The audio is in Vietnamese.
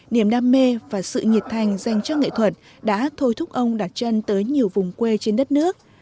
niềm đam mê và sự nhiệt thành dành cho nghệ thuật đã thôi thúc ông đặt chân tới nhiều vùng quê trên đất nước